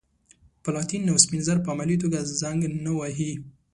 پلاتین او سپین زر په عملي توګه زنګ نه وهي.